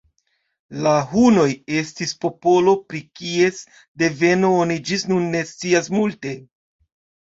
La hunoj estis popolo, pri kies deveno oni ĝis nun ne scias multe.